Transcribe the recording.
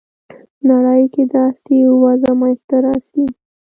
نړۍ کې داسې وضع منځته راسي.